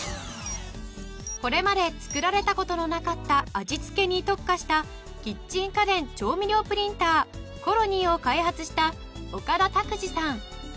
これまで作られた事のなかった味付けに特化したキッチン家電調味料プリンターコロニーを開発した岡田拓治さん。